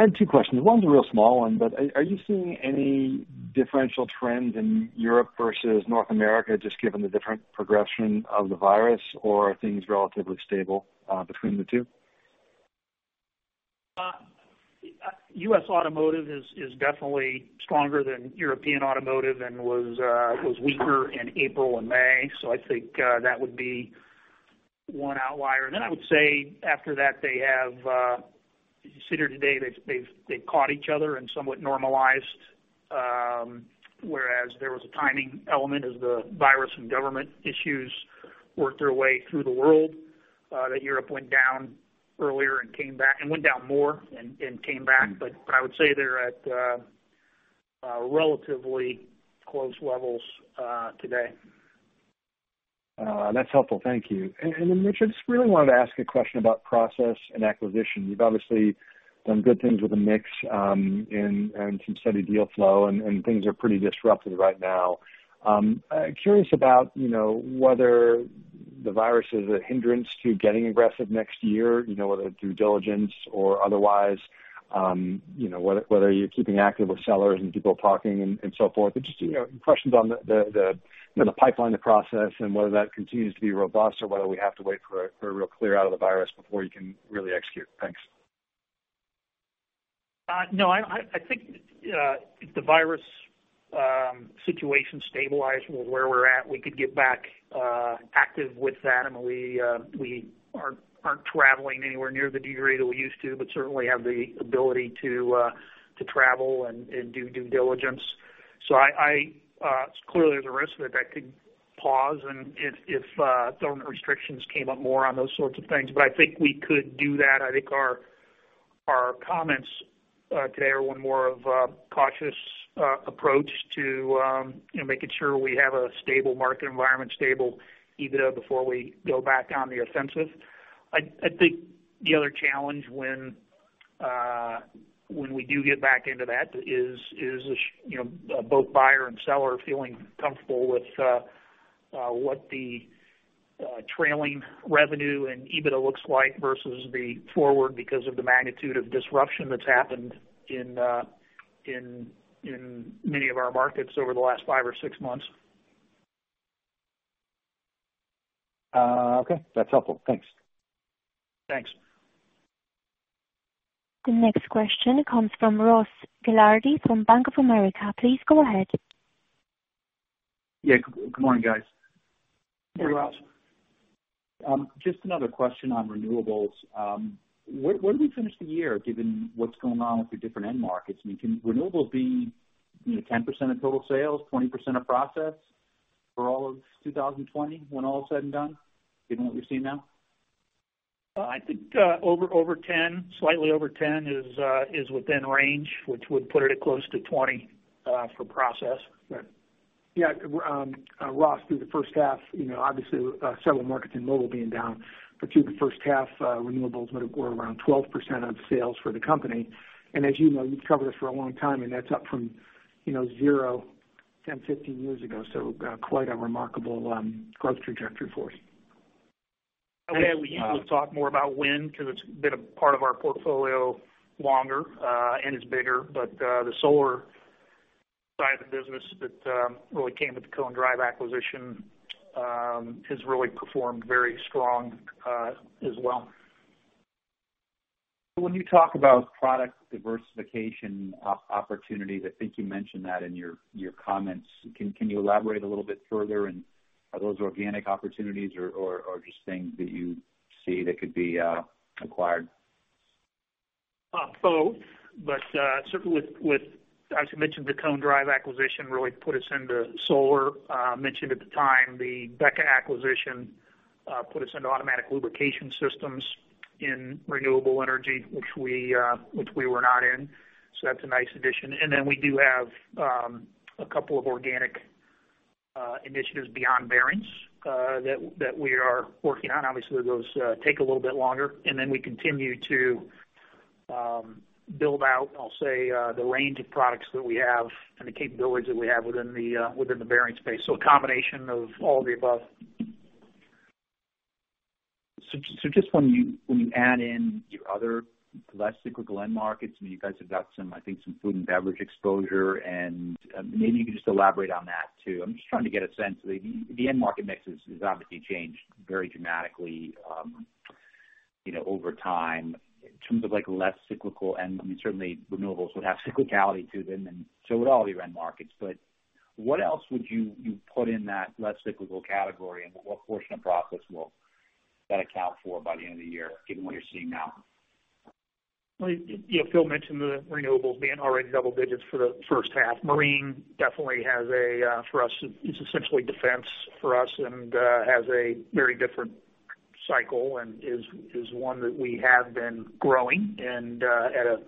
have two questions. One's a real small one, are you seeing any differential trends in Europe versus North America, just given the different progression of the virus, or are things relatively stable between the two? U.S. automotive is definitely stronger than European automotive and was weaker in April and May. I think that would be one outlier. I would say after that, you see here today, they've caught each other and somewhat normalized, whereas there was a timing element as the virus and government issues worked their way through the world, that Europe went down earlier and went down more and came back. I would say they're at relatively close levels today. That's helpful. Thank you. Richard, I just really wanted to ask a question about process and acquisition. You've obviously done good things with the mix and some steady deal flow, things are pretty disrupted right now. Curious about whether the virus is a hindrance to getting aggressive next year, whether through diligence or otherwise, whether you're keeping active with sellers and people talking and so forth. Just your impressions on the pipeline, the process, and whether that continues to be robust or whether we have to wait for a real clear out of the virus before you can really execute. Thanks. No, I think if the virus situation stabilizes where we're at, we could get back active with that. We aren't traveling anywhere near the degree that we used to, but certainly have the ability to travel and do due diligence. Clearly there's a risk that that could pause and if government restrictions came up more on those sorts of things. I think we could do that. I think our comments today are one more of a cautious approach to making sure we have a stable market environment, stable EBITDA before we go back on the offensive. I think the other challenge when we do get back into that is both buyer and seller feeling comfortable with what the trailing revenue and EBITDA looks like versus the forward because of the magnitude of disruption that's happened in many of our markets over the last five or six months. Okay. That's helpful. Thanks. Thanks. The next question comes from Ross Gilardi from Bank of America. Please go ahead. Yeah. Good morning, guys. Hey, Ross. Just another question on renewables. Where do we finish the year given what's going on with the different end markets? Can renewables be 10% of total sales, 20% of Process for all of 2020 when all is said and done, given what we've seen now? I think over 10, slightly over 10 is within range, which would put it at close to 20 for Process. Yeah. Ross, through the first half, obviously several markets in mobile being down, but through the first half, renewables were around 12% of sales for the company. As you know, you've covered us for a long time, and that's up from zero, 10, 15 years ago. Quite a remarkable growth trajectory for us. We've talked more about wind because it's been a part of our portfolio longer and it's bigger. The solar side of the business that really came with the Cone Drive acquisition has really performed very strong as well. When you talk about product diversification opportunities, I think you mentioned that in your comments. Can you elaborate a little bit further? Are those organic opportunities or just things that you see that could be acquired? Both, certainly as we mentioned, the Cone Drive acquisition really put us into solar. Mentioned at the time the BEKA acquisition put us into automatic lubrication systems in renewable energy, which we were not in. That's a nice addition. We do have a couple of organic initiatives beyond bearings that we are working on. Obviously, those take a little bit longer, and then we continue to build out the range of products that we have and the capabilities that we have within the bearing space. A combination of all of the above. Just when you add in your other less cyclical end markets, you guys have got some food and beverage exposure, and maybe you could just elaborate on that, too. I'm just trying to get a sense. The end market mix has obviously changed very dramatically over time, in terms of less cyclical, and certainly renewables would have cyclicality to them, and so would all the end markets. What else would you put in that less cyclical category, and what portion of profits will that account for by the end of the year, given what you're seeing now? Well, Philip mentioned the renewables being already double digits for the first half. Marine definitely has a, for us, it's essentially defense for us, and has a very different cycle, and is one that we have been growing, and at a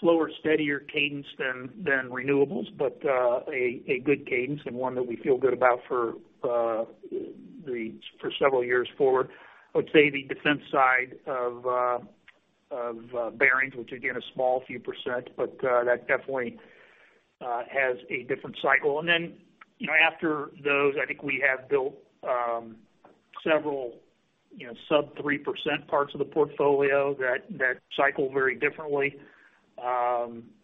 slower, steadier cadence than renewables. A good cadence and one that we feel good about for several years forward. I would say the defense side of bearings, which again, a small few percent, but that definitely has a different cycle. After those, I think we have built several sub 3% parts of the portfolio that cycle very differently.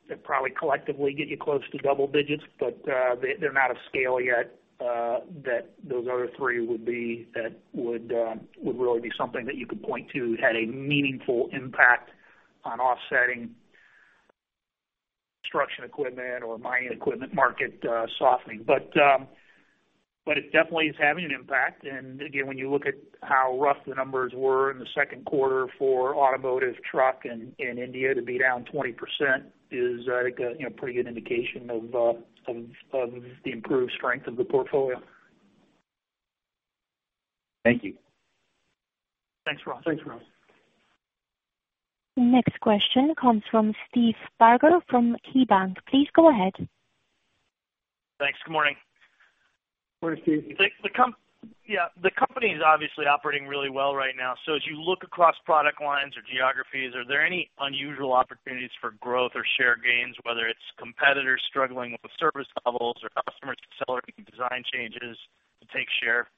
That probably collectively get you close to double digits, but they're not of scale yet. That those other three would really be something that you could point to, had a meaningful impact on offsetting construction equipment or mining equipment market softening. It definitely is having an impact. Again, when you look at how rough the numbers were in the second quarter for automotive truck in India to be down 20% is, I think, a pretty good indication of the improved strength of the portfolio. Thank you. Thanks, Ross. Next question comes from Steve Barger from KeyBanc. Please go ahead. Thanks. Good morning. Morning, Steve. Yeah, the company is obviously operating really well right now. As you look across product lines or geographies, are there any unusual opportunities for growth or share gains, whether it's competitors struggling with service levels or customers accelerating design changes to take share?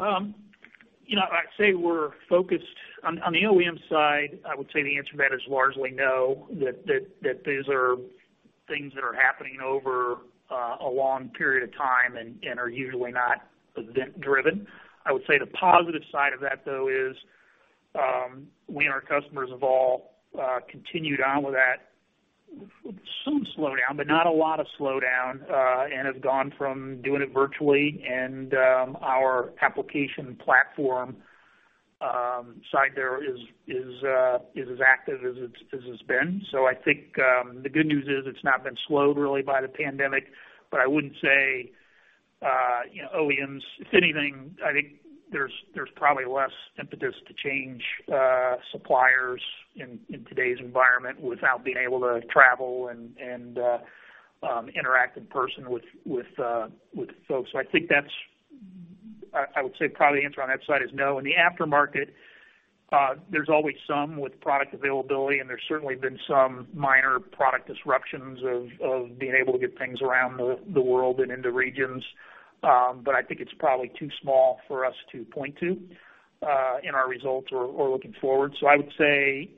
On the OEM side, I would say the answer to that is largely no, that these are things that are happening over a long period of time and are usually not event driven. I would say the positive side of that, though, is, we and our customers have all continued on with that some slowdown, but not a lot of slowdown, and have gone from doing it virtually and our application platform side there is as active as it's been. I think the good news is it's not been slowed really by the pandemic, but I wouldn't say OEMs If anything, I think there's probably less impetus to change suppliers in today's environment without being able to travel and interact in person with folks. I think that's, I would say probably the answer on that side is no. In the aftermarket, there's always some with product availability, there's certainly been some minor product disruptions of being able to get things around the world and into regions. I think it's probably too small for us to point to in our results or looking forward. I would say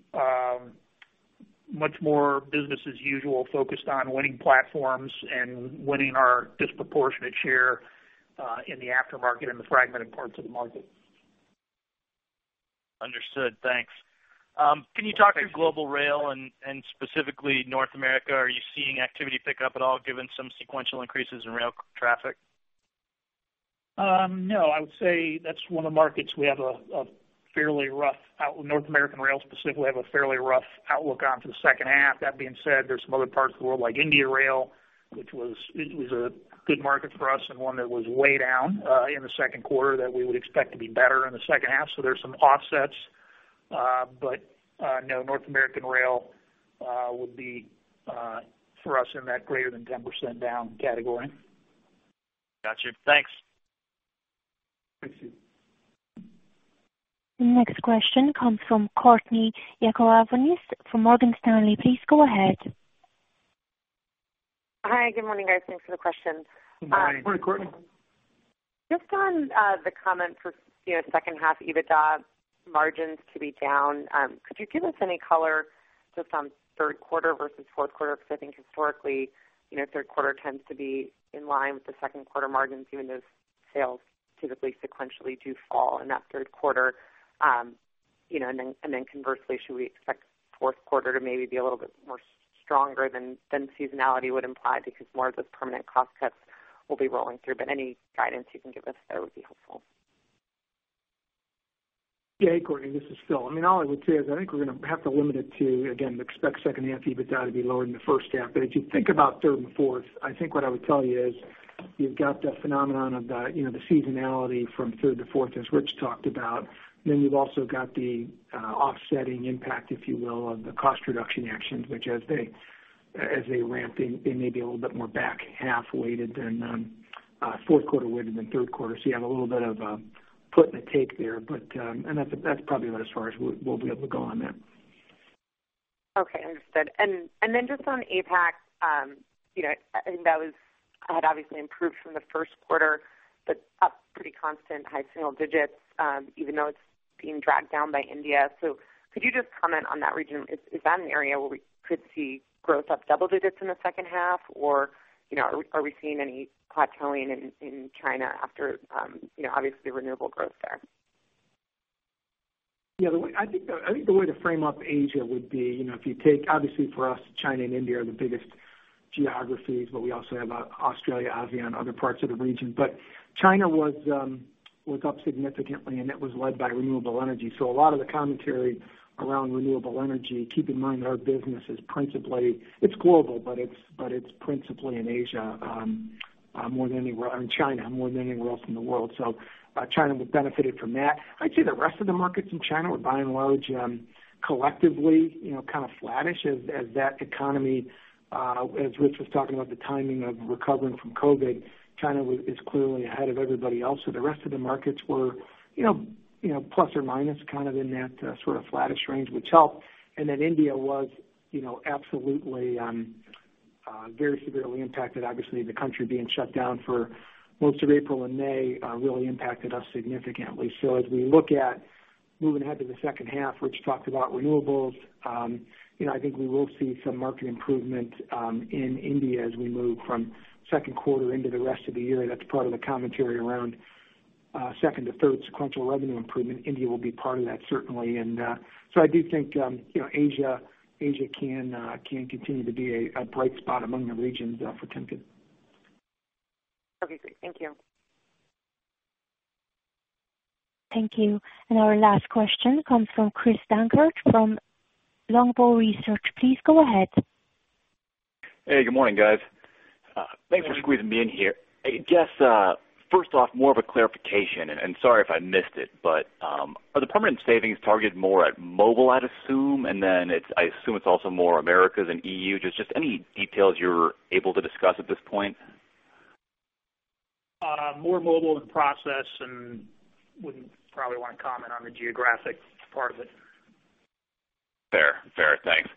much more business as usual, focused on winning platforms and winning our disproportionate share in the aftermarket and the fragmented parts of the market. Understood. Thanks. Can you talk to global rail and specifically North America? Are you seeing activity pick up at all, given some sequential increases in rail traffic? I would say that's one of the markets North American rail specifically, have a fairly rough outlook on to the second half. That being said, there's some other parts of the world, like India rail, which was a good market for us and one that was way down in the second quarter that we would expect to be better in the second half. There's some offsets. North American rail will be for us in that greater than 10% down category. Got you. Thanks. Thanks, Steve. Next question comes from Courtney Yakavonis from Morgan Stanley. Please go ahead. Hi. Good morning, guys. Thanks for the questions. Good morning. Morning, Courtney. Just on the comment for second half EBITDA margins to be down, could you give us any color just on third quarter versus fourth quarter? I think historically, third quarter tends to be in line with the second quarter margins, even if sales typically sequentially do fall in that third quarter. Conversely, should we expect fourth quarter to maybe be a little bit more stronger than seasonality would imply because more of those permanent cost cuts will be rolling through? Any guidance you can give us there would be helpful. Hey, Courtney, this is Philip. All I would say is I think we're going to have to limit it to, again, expect second half EBITDA to be lower than the first half. If you think about third and fourth, I think what I would tell you is you've got the phenomenon of the seasonality from third to fourth, as Richard talked about. You've also got the offsetting impact, if you will, of the cost reduction actions, which as they ramp, they may be a little bit more back half weighted than fourth quarter weighted than third quarter. You have a little bit of put and a take there. That's probably about as far as we'll be able to go on that. Okay, understood. Just on APAC, I think that had obviously improved from the first quarter, but up pretty constant high single digits. Even though it's being dragged down by India. Could you just comment on that region? Is that an area where we could see growth up double digits in the second half? Are we seeing any plateauing in China after, obviously, renewable growth there? Yeah, I think the way to frame up Asia would be if you take, obviously for us, China and India are the biggest geographies, but we also have Australia, ASEAN, other parts of the region. China was up significantly, and that was led by renewable energy. A lot of the commentary around renewable energy, keep in mind that our business is principally global, but it's principally in Asia, in China, more than anywhere else in the world. China was benefited from that. I'd say the rest of the markets in China were by and large, collectively, kind of flattish as that economy, as Richard was talking about the timing of recovering from COVID, China is clearly ahead of everybody else. The rest of the markets were plus or minus kind of in that sort of flattish range, which helped. India was absolutely very severely impacted. Obviously, the country being shut down for most of April and May really impacted us significantly. As we look at moving ahead to the second half, Richard talked about renewables. I think we will see some market improvement in India as we move from second quarter into the rest of the year. That's part of the commentary around second to third sequential revenue improvement. India will be part of that, certainly. I do think Asia can continue to be a bright spot among the regions for Timken. Okay, great. Thank you. Thank you. Our last question comes from Chris Dankert from Longbow Research. Please go ahead. Hey, good morning, guys. Good morning. Thanks for squeezing me in here. Hey, first off, more of a clarification, sorry if I missed it, but are the permanent savings targeted more at mobile, I'd assume? Then I assume it's also more Americas than EU. Just any details you're able to discuss at this point? More Mobile in Process and wouldn't probably want to comment on the geographic part of it. Fair. Thanks.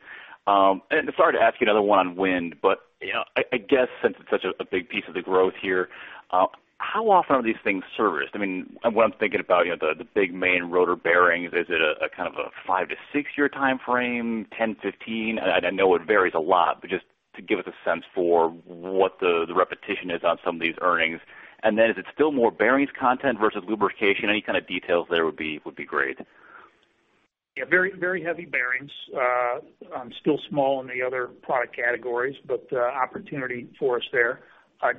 Sorry to ask you another one on wind, I guess since it's such a big piece of the growth here, how often are these things serviced? When I'm thinking about the big main rotor bearings, is it a kind of a five to six-year timeframe, 10, 15? I know it varies a lot, just to give us a sense for what the repetition is on some of these bearings. Then is it still more bearings content versus lubrication? Any kind of details there would be great. Very heavy bearings. Still small in the other product categories, but opportunity for us there.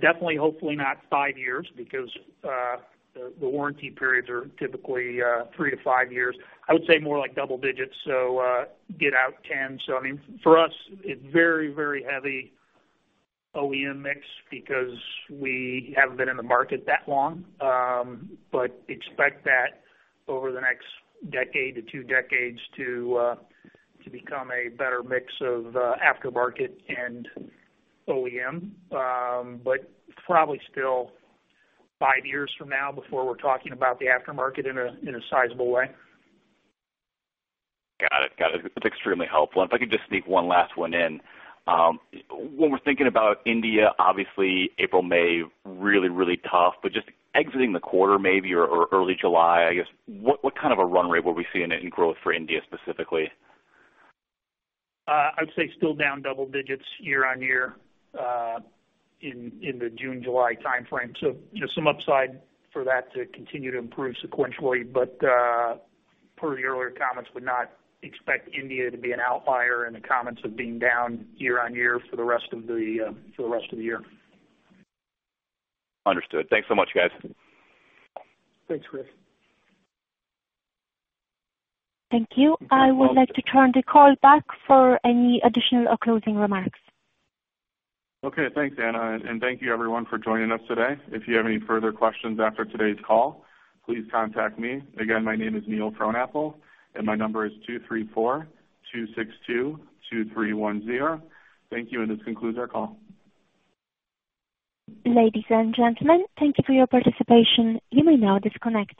Definitely, hopefully not five years because the warranty periods are typically three to five years. I would say more like double digits, so get out 10. I mean, for us, it's very heavy OEM mix because we haven't been in the market that long. Expect that over the next decade to two decades to become a better mix of aftermarket and OEM. Probably still five years from now before we're talking about the aftermarket in a sizable way. Got it. It's extremely helpful. If I could just sneak one last one in. When we're thinking about India, obviously April, May, really tough, but just exiting the quarter maybe or early July, I guess, what kind of a run rate were we seeing in growth for India specifically? I'd say still down double digits year-over-year in the June, July timeframe. Some upside for that to continue to improve sequentially, but per the earlier comments, would not expect India to be an outlier in the comments of being down year-over-year for the rest of the year. Understood. Thanks so much, guys. Thanks, Chris. Thank you. I would like to turn the call back for any additional or closing remarks. Thanks, Anna, thank you everyone for joining us today. If you have any further questions after today's call, please contact me. My name is Neil Frohnapple, and my number is 234-262-2310. Thank you. This concludes our call. Ladies and gentlemen, thank you for your participation. You may now disconnect.